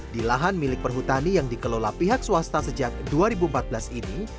di lahan milik perhutani yang dikelola pihak swasta sejak dua ribu empat belas ini